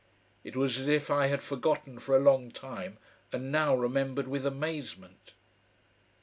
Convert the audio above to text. It was as if I had forgotten for a long time and now remembered with amazement.